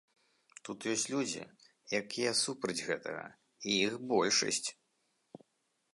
Тут ёсць людзі, якія супраць гэтага, і іх большасць.